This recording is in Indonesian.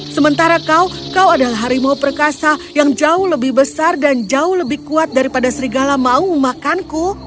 sementara kau kau adalah harimau perkasa yang jauh lebih besar dan jauh lebih kuat daripada serigala mau memakanku